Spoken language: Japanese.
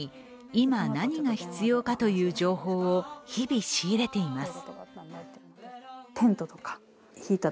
今、何が必要かという情報を日々仕入れています。